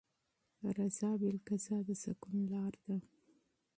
رضا بالقضا د سکون لاره ده.